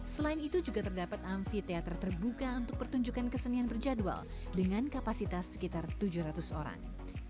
selain itu juga terdapat amfiteater terbuka untuk pertunjukan kesenian berjadwal dengan kapasitas sekitar tujuh ratus orang